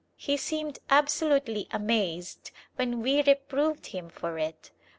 He seemed absolutely amazed when we reproved him for it.